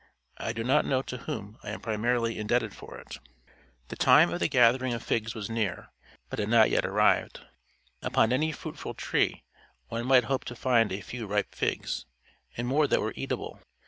I do not know to whom I am primarily indebted for it. The time of the gathering of figs was near, but had not yet arrived: upon any fruitful tree one might hope to find a few ripe figs, and more that were eatable.